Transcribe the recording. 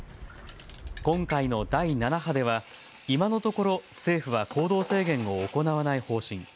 今回の第７波では今のところ政府は行動制限を行わない方針。